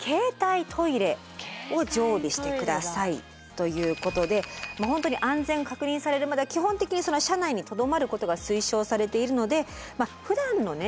ということでまあ本当に安全が確認されるまでは基本的に車内にとどまることが推奨されているのでまあふだんのね